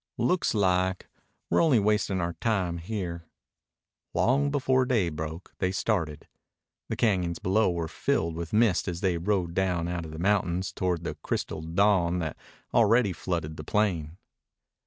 "Looks like. We're only wastin' our time here." Long before day broke they started. The cañons below were filled with mist as they rode down out of the mountains toward the crystal dawn that already flooded the plain.